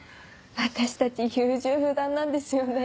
私たち優柔不断なんですよね。